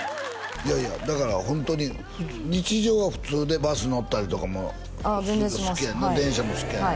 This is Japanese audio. いやいやだからホントに日常は普通でバス乗ったりとかも好きやんな電車も好きやんな